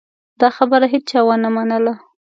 دا خبره هېچا ونه منله.